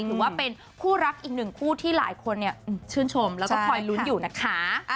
ถือว่าเป็นคู่รักอีกหนึ่งคู่ที่หลายคนชื่นชมแล้วก็คอยลุ้นอยู่นะคะ